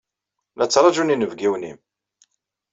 La ttṛajun yinebgiwen-nnem.